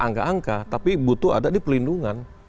angka angka tapi butuh ada di pelindungan